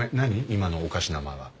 今のおかしな間は。